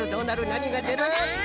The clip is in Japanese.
なにがでる？